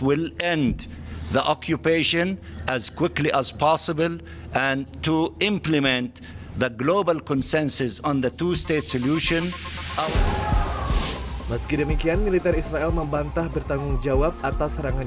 kita butuh proses politik yang akan mengakhiri pembantuan secepat mungkin